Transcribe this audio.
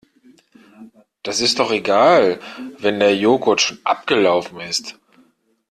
Das ist doch egal wenn der Joghurt schon abgelaufen ist.